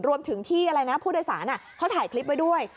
รวมถึงที่พูดโดยศาลเขาถ่ายคลิปไว้ด้วย